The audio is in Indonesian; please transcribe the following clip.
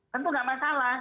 tentu gak masalah